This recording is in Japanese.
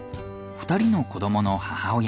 ２人の子どもの母親。